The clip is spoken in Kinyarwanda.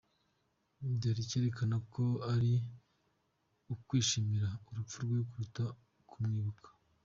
Dore icyerekana ko ari ukwishimira urupfu rwe kuruta kumwibuka: